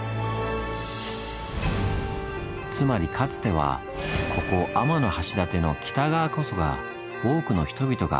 つまりかつてはここ天橋立の北側こそが多くの人々が目指す場所だったんです。